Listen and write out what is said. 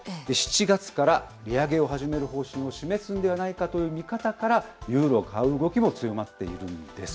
７月から利上げを始める方針を示すのではないかという見方から、ユーロを買う動きも強まっているんです。